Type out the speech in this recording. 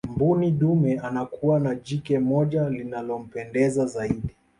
mbuni dume anakuwa na jike moja linalompendeza zaidi